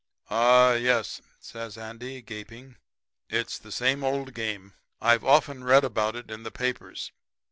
"'Ah, yes,' says Andy, gaping, 'it's the same old game. I've often read about it in the papers.